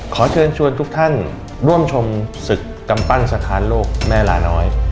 ขอเชิญชวนทุกท่านร่วมชมศึกกำปั้นสถานโลกแม่ลาน้อย